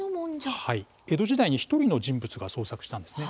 江戸時代に１人の人物が創作したんです。